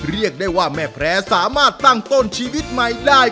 เรียกได้ว่าแม่แพร่สามารถตั้งต้นชีวิตใหม่ได้